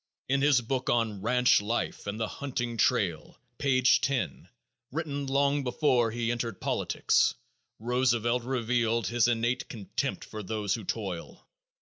In his book on "Ranch Life and the Hunting Trail," page 10, written long before he entered politics, Roosevelt reveals his innate contempt for those who toil.